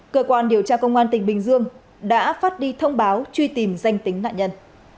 cơ quan điều tra công an tỉnh bình dương đã phát đi thông báo truy tìm danh tính nạn nhân